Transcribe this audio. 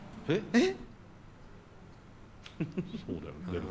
えっ！